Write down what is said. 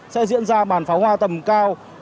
sẽ diễn ra bàn pháo hoa tầm cao